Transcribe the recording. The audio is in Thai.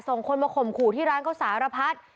ส่งคนมาข่มขู่ที่ร้านเขาสารพัด